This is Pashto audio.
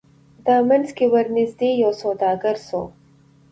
په دامنځ کي ورنیژدې یو سوداګر سو